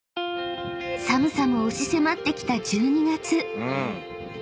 ［寒さも押し迫ってきた１２月］